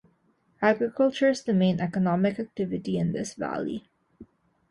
Agriculture is the main economic activity in this valley.